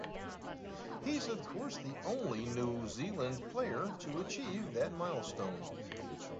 He's of course, the only New Zealand player to achieve that milestone.